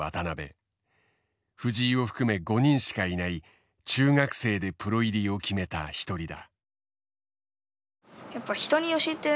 藤井を含め５人しかいない中学生でプロ入りを決めた一人だ。